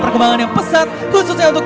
perkembangan yang pesat khususnya untuk